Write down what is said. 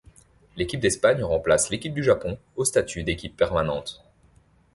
L'équipe d'Espagne remplace l'équipe du Japon au statut d'équipe permanente.